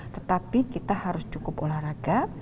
tetapi kita harus cukup olahraga